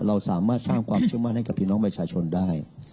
เราสามารถสร้างความเชื่อมั่นให้กับพี่น้องประชาชนได้